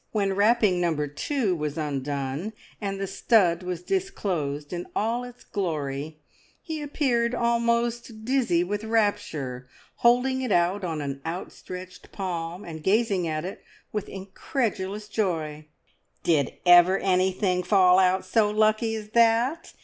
When wrapping number two was undone, and the stud was disclosed in all its glory, he appeared almost dizzy with rapture, holding it out on an outstretched palm, and gazing at it with incredulous joy. "Did ever anything fall out so lucky as that?